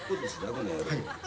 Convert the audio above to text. この野郎。